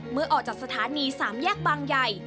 เมื่อออกจากสถานี๓แยกบางใหญ่